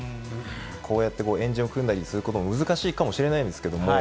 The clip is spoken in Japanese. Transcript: こうやって円陣を組んだりすることも難しいかもしれないですけれども、